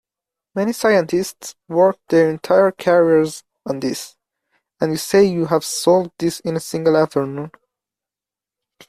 Many scientists work their entire careers on this, and you say you have solved this in a single afternoon?